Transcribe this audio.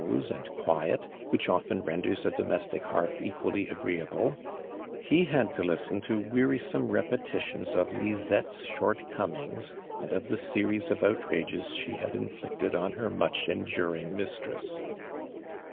so and (juiet which often renders u domestic heartli cijually agreeable, he had '^o listen to wearisome repetititnsof Lizette's shortcomings, and of the series of outrages ''ho had inllieted on her mucli enduring mistress.